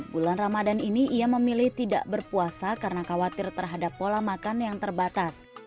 bulan ramadan ini ia memilih tidak berpuasa karena khawatir terhadap pola makan yang terbatas